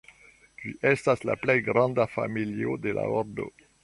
Ĝi estas la plej granda familio de la ordo.